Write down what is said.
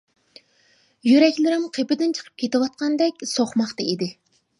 يۈرەكلىرىم قېپىدىن چىقىپ كېتىۋاتقاندەك سوقماقتا ئىدى.